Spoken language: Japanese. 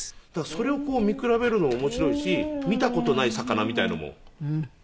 それをこう見比べるのも面白いし見た事ない魚みたいなのもいるし。